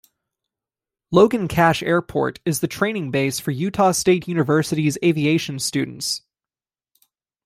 Logan-Cache Airport is the training base for Utah State University's aviation students.